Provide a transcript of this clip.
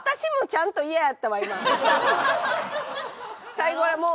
最後ら辺はもう。